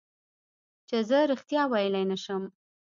چې زه رښتیا ویلی نه شم.